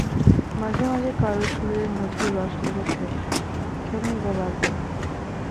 মাঝে মাঝে কারও সুরে মধুর রস লেগেছে–কেনই বা লাগবে না?